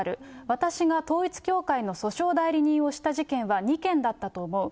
私が統一教会の訴訟代理人をした事件は２件だったと思う。